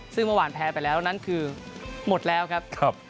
ซึ่งเมื่อวานแพ้ไปแล้วนั้นคือหมดแล้วครับ